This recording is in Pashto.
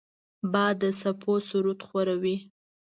باد د څپو سرود خواره وي